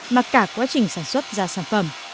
mà cả quá trình sản xuất ra sản phẩm